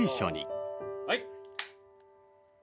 はい。